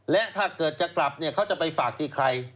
และถ้าเกิดจะกลับเนี่ยเขาจะไปฝากที่ใคร